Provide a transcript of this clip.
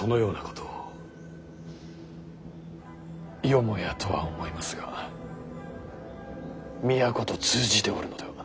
よもやとは思いますが都と通じておるのでは。